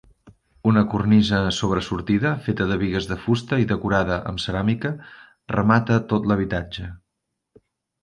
Una cornisa sobresortida, feta de bigues de fusta i decorada amb ceràmica, remata tot l'habitatge.